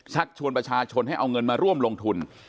ชักชวนประชาชนให้เอาเงินมาร่วมลงทุน